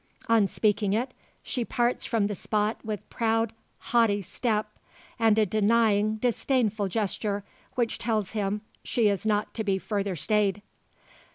On speaking it, she parts from the spot with proud haughty step, and a denying disdainful gesture, which tells him, she is not to be further stayed.